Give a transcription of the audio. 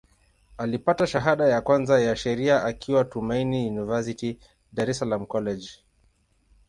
Alipata shahada ya kwanza ya Sheria akiwa Tumaini University, Dar es Salaam College.